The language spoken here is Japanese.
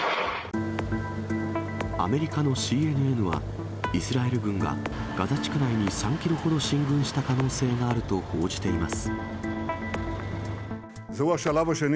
アメリカのＣＮＮは、イスラエル軍がガザ地区内に３キロほど進軍した可能性があると報じています。